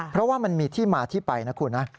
เพราะว่ามันมีที่มาที่ไปนะคุณนะ